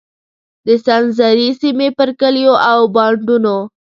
د سنځري سیمې پر کلیو او بانډونو.